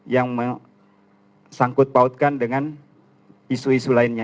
yang sangkut pautkan dengan isu isu lainnya